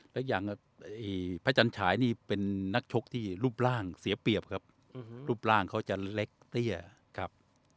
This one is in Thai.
และอย่างพระจันฉายนี่เป็นนักชกที่รูปร่างเสียเปรียบครับรูปร่างเขาจะเล็กเตี้ยครับ